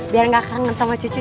biar gak kangen sama cucu